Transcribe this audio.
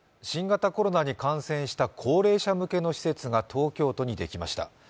新型コロナに感染した高齢者向けの施設が東京都にできました。